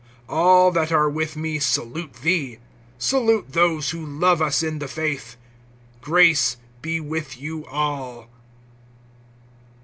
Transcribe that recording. (15)All that are with me salute thee. Salute those who love us in the faith. Grace be with you all.